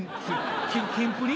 キンプリ？